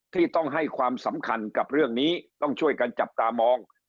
ที่ต้องให้ความสำคัญกับเรื่องนี้ต้องช่วยกันจับตามอง